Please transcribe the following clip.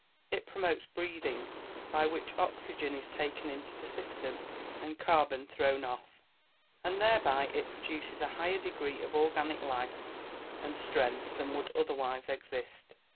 It promotes breathing, by which oxygen is taken into the system, and carbon thrown off, and thereby it produces a higher degree of organic life and strength than would otherwise exist.